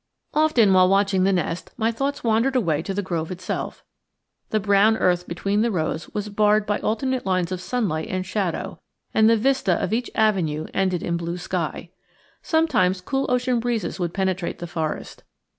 Often, while watching the nest, my thoughts wandered away to the grove itself. The brown earth between the rows was barred by alternate lines of sunlight and shadow, and the vista of each avenue ended in blue sky. Sometimes cool ocean breezes would penetrate the forest.